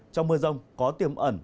trong mưa rông có tiềm ẩn